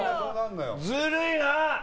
ずるいな！